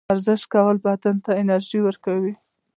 ورزش کول بدن ته انرژي ورکوي.